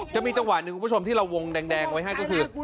จะมีจังหวะหนึ่งคุณผู้ชมที่เราวงแดงไว้ให้ก็คือ